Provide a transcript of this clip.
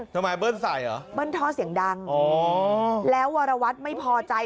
ทำไมเบิ้ลใสเหรอ